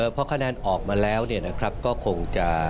เพราะคะแนนออกมาแล้วเนี่ยนะครับก็คงจะ